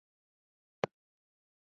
دې تګلارې د کروندګر انګېزه له منځه یووړه.